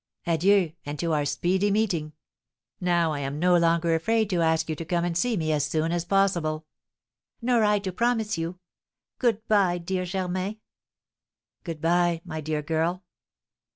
"Adieu; and to our speedy meeting! Now I am no longer afraid to ask you to come and see me as soon as possible." "Nor I to promise you. Good bye, dear Germain!" "Good bye, my dear girl!"